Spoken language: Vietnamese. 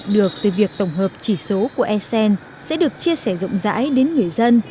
thu thập được từ việc tổng hợp chỉ số của esen sẽ được chia sẻ rộng rãi đến người dân